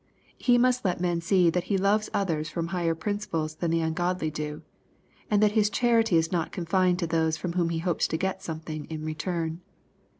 He must let men see that he loves others from higher principles than the ungodly do, and that his charity is not confined to those from whom he hopes to get something in return.